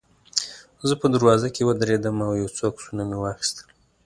زه په دروازه کې ودرېدم او یو څو عکسونه مې واخیستل.